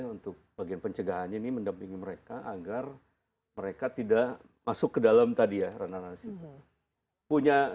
untuk bagian pencegahannya ini mendampingi mereka agar mereka tidak masuk ke dalam tadi ya ranah ranasi